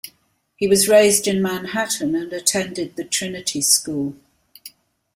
He was raised in Manhattan and attended the Trinity School.